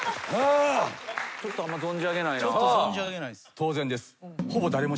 当然です。